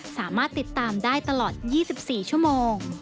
สามารถติดตามได้ตลอด๒๔ชั่วโมง